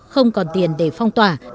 không còn tiền để phong tỏa